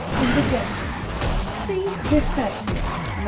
Indigestion. See DYSPEPSIA (946).